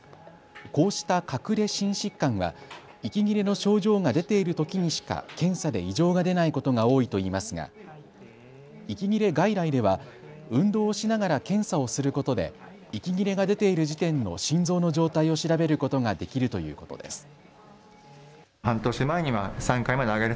こうした隠れ心疾患は息切れの症状が出ているときにしか検査で異常が出ないことが多いといいますが息切れ外来では運動しながら検査をすることで息切れが出ている時点の心臓の状態を調べることができるということです。